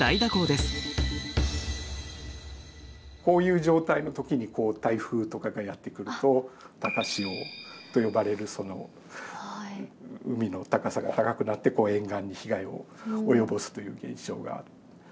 こういう状態のときに台風とかがやって来ると高潮と呼ばれる海の高さが高くなって沿岸に被害を及ぼすという現象が起こります。